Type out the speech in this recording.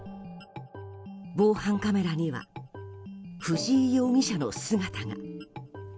防犯カメラには藤井容疑者の姿が。